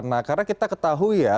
nah karena kita ketahui ya